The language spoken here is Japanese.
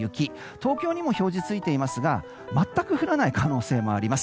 東京にも表示がついていますが全く降らない可能性もあります。